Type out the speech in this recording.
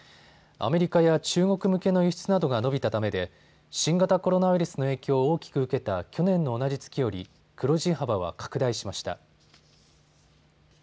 アメリカや中国向けの輸出などが伸びたためで新型コロナウイルスの影響を大きく受けた去年の同じ月より黒字幅は拡大しました。